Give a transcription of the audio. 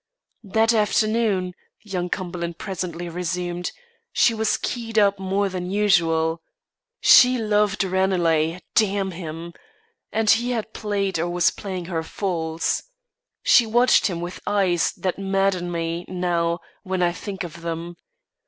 "That afternoon," young Cumberland presently resumed, "she was keyed up more than usual. She loved Ranelagh, damn him! and he had played or was playing her false. She watched him with eyes that madden me, now, when I think of them.